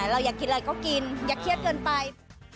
เราอยากกินอะไรก็กินอย่าเครียดเกินไป